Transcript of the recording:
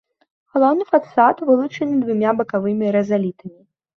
Галоўны фасад вылучаны двумя бакавымі рызалітамі.